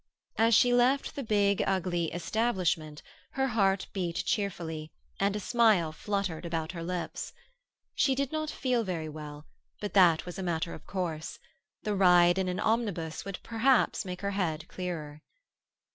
As she left the big ugly "establishment" her heart beat cheerfully, and a smile fluttered about her lips. She did not feel very well, but that was a matter of course; the ride in an omnibus would perhaps make her head clearer.